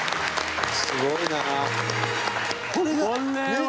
「すごいな」